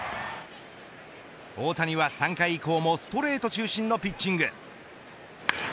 大谷は３回以降もストレート中心のピッチング。